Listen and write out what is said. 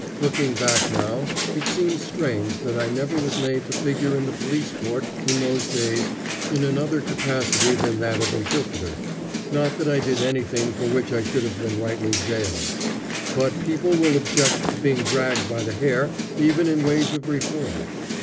Looking back now, it seems strange that I never was made to figure in the police court in those days in another capacity than that of interpreter. Not that I did anything for which I should have been rightly jailed. But people will object to being dragged by the hair even in the ways of reform.